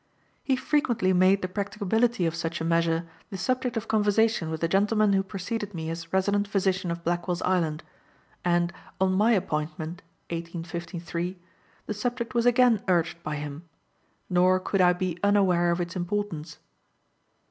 He frequently made the practicability of such a measure the subject of conversation with the gentleman who preceded me as Resident Physician of Blackwell's Island, and, on my appointment (1853), the subject was again urged by him; nor could I be unaware of its importance.